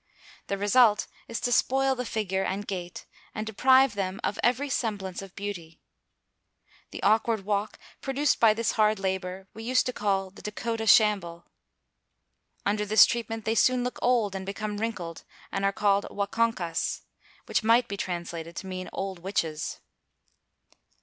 The result is to spoil the figure and gait, and deprive them of every semblance of beauty. The awkward walk produced by this hard labor we used to call "The Dakota shamble." Under this treatment they soon look old, and become wrinkled, and are called "Wakonkas," which might be translated to mean old witches.